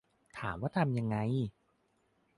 ถามว่าทำยังไง